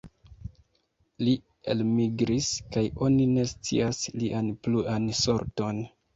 Li elmigris kaj oni ne scias lian pluan sorton.